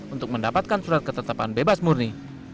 untuk mendapatkan surat ketetapan bebas murni